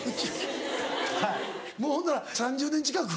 もうほんなら３０年近く？